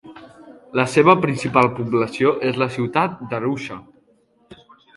La seva principal població és la ciutat d'Arusha.